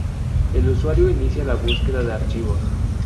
El usuario inicia la búsqueda de archivos.